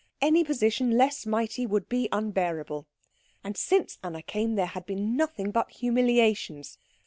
Any position less mighty would be unbearable. And since Anna came there had been nothing but humiliations.